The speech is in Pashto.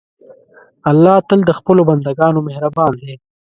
الله تل د خپلو بندهګانو مهربان دی.